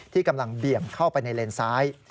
กำลังเบี่ยงเข้าไปในเลนซ้าย